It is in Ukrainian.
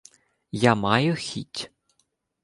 — Я маю хіть.